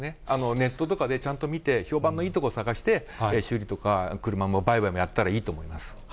ネットとかでちゃんと見て、評判のいいところを探して、修理とか車の売買もやったらいいと思います。